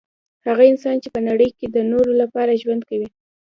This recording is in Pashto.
هغه انسان چي په نړۍ کي د نورو لپاره ژوند کوي